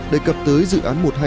đề cập tới dự án một trăm hai mươi năm